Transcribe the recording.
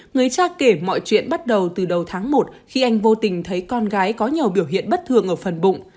người cha kể mọi chuyện bắt đầu từ đầu tháng một khi anh vô tình thấy con gái có nhiều biểu hiện bất thường ở phần bụng